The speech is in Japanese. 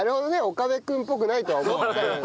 岡部君っぽくないとは思ったのよ。